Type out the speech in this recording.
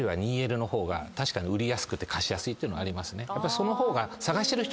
その方が。